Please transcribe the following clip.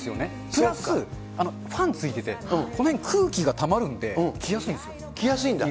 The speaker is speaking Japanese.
プラスファン付いてて、この辺空気がたまるんで、着やすいんです着やすいんだ。